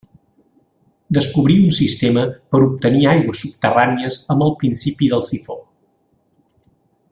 Descobrí un sistema per obtenir aigües subterrànies amb el principi del sifó.